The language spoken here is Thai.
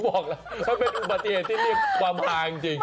หล่อประเภทที่มีความสมบัติจริง